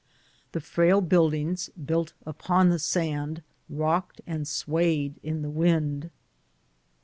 The frail build ings, " built upon the sand," rocked and swayed in the wdnd.